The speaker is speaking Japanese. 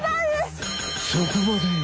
そこまで！